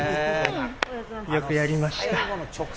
よくやりました。